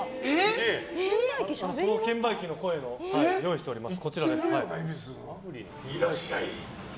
その券売機の声を用意しております。